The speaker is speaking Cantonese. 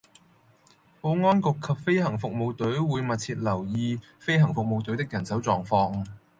保安局及飛行服務隊會密切留意飛行服務隊的人手狀況